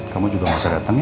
kamu juga gak usah dateng ya